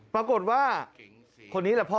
ปรากฏว่าคนนี้แหละพ่อ